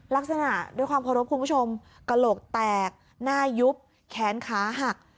ลักษณะด้วยความเคารพคุณผู้ชมกระโหลกแตกหน้ายุบแขนขาหัก